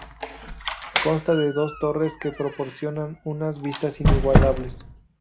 Consta de dos torres que proporcionan unas vistas inigualables.